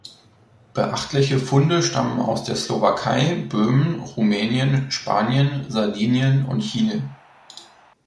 Beachtliche Funde stammen aus der Slowakei, Böhmen, Rumänien, Spanien, Sardinien und Chile.